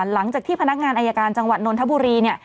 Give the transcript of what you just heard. หลังจากที่พนักงานอายการจังหวัดนนทบุรีเนี่ย